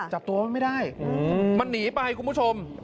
จับตัวมันไม่ได้มันหนีไปคุณผู้ชม